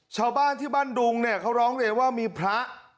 ชาวบ้านที่บ้านดุงเนี่ยเขาร้องเรียนว่ามีพระ